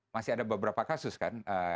masih ada beberapa kasus kan